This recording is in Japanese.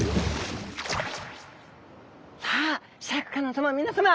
さあシャーク香音さま皆さま